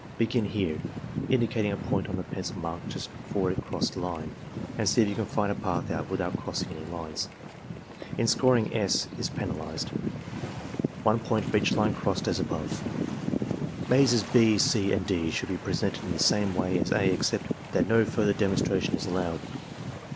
Begin here (indicating a point on the pencil mark just before it crossed the line) and see if you can find a path out without crossing any lines." In scoring, S. is penalized 1 point for each line crossed as above. Mazes (6), (c), and {d) should be presented in the same way as (a) except that no further demonstration is allowed.